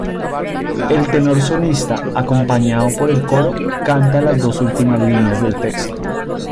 El tenor solista, acompañado por el coro, canta las dos últimas líneas del texto.